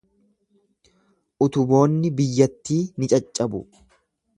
Utuboonni biyyattii ni caccabu.